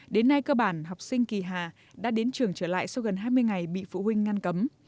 đến nay cơ bản học sinh kỳ hà đã đến trường trở lại sau gần hai mươi ngày bị phụ huynh ngăn cấm